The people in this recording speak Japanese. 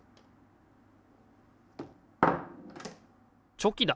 チョキだ！